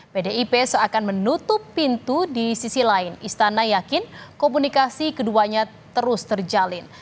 pdip seakan menutup pintu di sisi lain istana yakin komunikasi keduanya terus terjalin